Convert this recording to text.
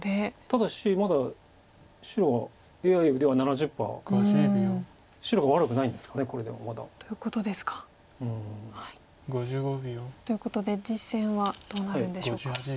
ただしまだ白はＡＩでは７０％白が悪くないんですかこれでもまだ。ということですか。ということで実戦はどうなるんでしょうか。